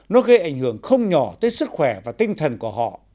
nó gây ảnh hưởng không nhỏ tới sức khỏe và tinh thần của họ